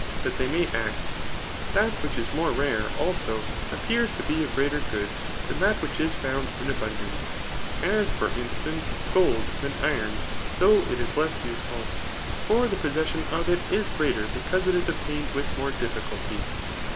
that they may act* That which is more rarc^ ttlso, [appears to be a greater good^ than that which is foimd in abundance; as for instance, gold thaniroti^ though n is less useful. ' For the possession of it is greater ixoause it is obtaiiied with more dificuky.